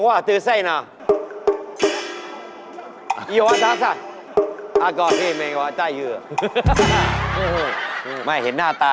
แล้วทำไมจะต้องส่งภาษาไปเลยหรือเปล่า